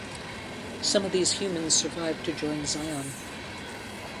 Some of these humans survived to join Zion.